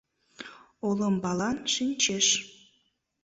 Олымбалан шинчеш.